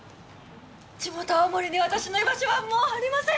地元青森に私の居場所はもうありません。